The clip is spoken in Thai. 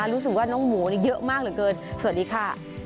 รู้สึกว่าน้องหมูนี่เยอะมากเหลือเกินสวัสดีค่ะ